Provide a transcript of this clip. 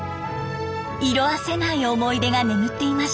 色あせない思い出が眠っていました。